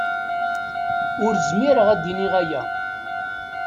Ur zmireɣ ad iniɣ aya.